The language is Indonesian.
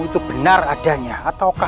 itu benar adanya ataukah